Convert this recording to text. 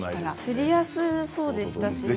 すりやすそうでしたしね。